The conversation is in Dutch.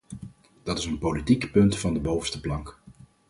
Dat is een politiek punt van de bovenste plank.